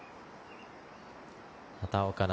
畑岡奈